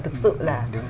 thực sự là